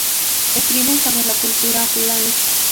Escribe sobre la cultura Fulani.